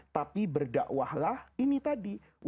tapi berdakwahlah ini tadi